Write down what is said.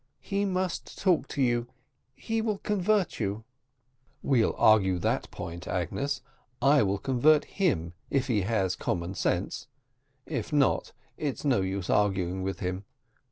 He must talk to you he will convert you." "We'll argue that point, Agnes. I will convert him if he has common sense; if not, it's no use arguing with him.